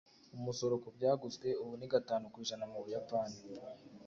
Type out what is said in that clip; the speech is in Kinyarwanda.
umusoro ku byaguzwe ubu ni gatanu ku ijana mu buyapani